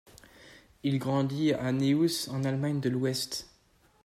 Il grandit à Neuss en Allemagne de l'ouest.